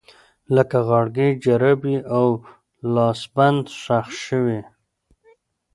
لکه غاړکۍ، جرابې او لاسبند ښخ شوي